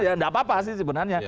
ya nggak apa apa sih sebenarnya